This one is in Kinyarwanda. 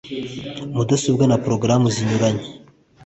mudasobwa na porogaramu zinyuranye